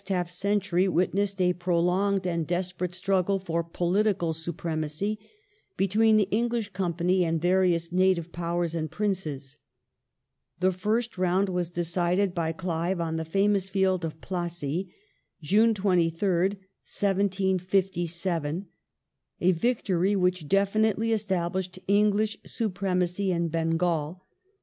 ^^„ half century witnessed a prolonged and desperate struggle for Powers political supremacy between the English Company and various ^ ^757 " Native" Powers and Princes. The first round was decided by (a) The Clive on the famous field of Plassey (June 23rd, 1757), a victory ^^^^'^^ which definitely established English supremacy in Bengal.